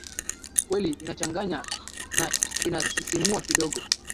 kweli inachanganya na inasisimua kidogo